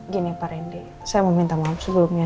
gini pak randy saya mau minta maaf sebelumnya